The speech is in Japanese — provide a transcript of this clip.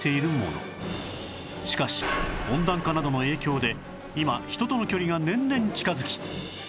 しかし温暖化などの影響で今人との距離が年々近づき